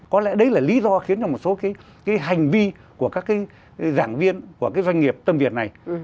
có lẽ đấy là lý do khiến cho một số cái hành vi của các cái giảng viên của cái doanh nghiệp tâm việt này